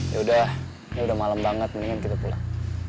yaudah ini udah malem banget mendingan kita pulang